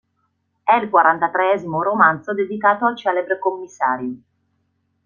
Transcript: È il quarantatreesimo romanzo dedicato al celebre commissario.